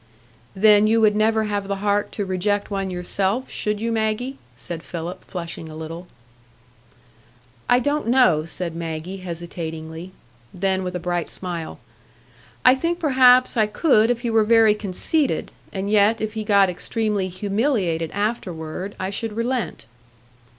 "Then you would never have the heart to reject one yourself, should you, Maggie?" said Philip, flushing a little. "I don't know," said Maggie, hesitatingly. Then with a bright smile, "I think perhaps I could if he were very conceited; and yet, if he got extremely humiliated afterward, I should relent."